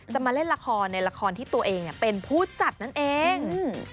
มาเล่นละครในละครที่ตัวเองเป็นผู้จัดนั่นเอง